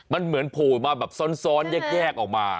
มันเหมือนโผล่มาแบบซ้อนแยกออกมา